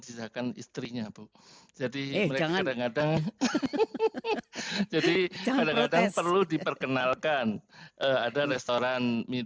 disahkan istrinya bu jadi jangan ada ngadang jadi ada ada perlu diperkenalkan ada restoran